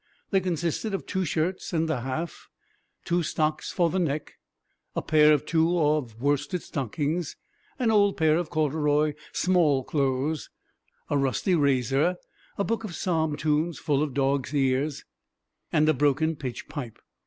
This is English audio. They consisted of two shirts and a half; two stocks for the neck; a pair or two of worsted stockings; an old pair of corduroy small clothes; a rusty razor; a book of psalm tunes full of dog's ears; and a broken pitch pipe.